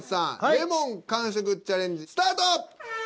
レモン完食チャレンジスタート！